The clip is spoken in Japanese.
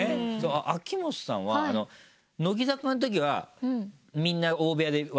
秋元さんは乃木坂のときはみんな大部屋でワ！